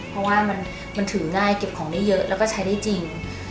เพราะว่ามันถือง่ายเก็บของได้เยอะแล้วก็ใช้ได้จริง